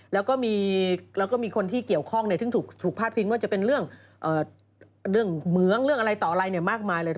แล้วก็มีคนที่เกี่ยวข้องซึ่งถูกพาดพิงว่าจะเป็นเรื่องเหมืองเรื่องอะไรต่ออะไรมากมายเลย